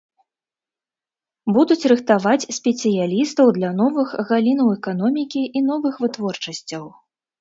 Будуць рыхтаваць спецыялістаў для новых галінаў эканомікі і новых вытворчасцяў.